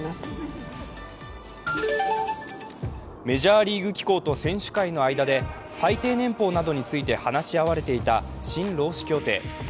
メジャーリーグ機構と選手会との間で最低年俸などについて話し合われていた新労使協定。